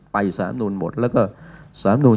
ไปสารรัฐมนุนหมดแล้วก็สารรัฐมนูล